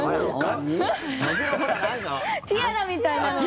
ティアラみたいなのを。